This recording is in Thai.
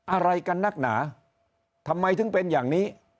อะไรกันนักหนาทำไมถึงเป็นอย่างนี้